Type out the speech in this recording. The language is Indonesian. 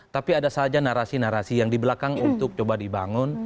tapi ada saja narasi narasi yang di belakang untuk coba dibangun